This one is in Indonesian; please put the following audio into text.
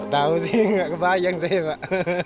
tahu sih nggak kebayang sih pak